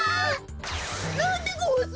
なんでごわす！